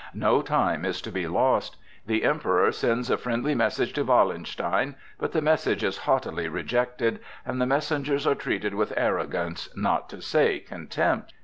No time is to be lost. The Emperor sends a friendly message to Wallenstein; but the message is haughtily rejected, and the messengers are treated with arrogance, not to say contempt.